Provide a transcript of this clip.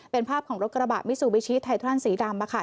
เป็นภาพของรถกระบะมิซูบิชิไททรอนสีดำ